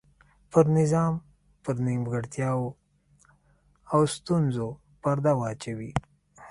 پر نظام پر نیمګړتیاوو او ستونزو پرده واچوي.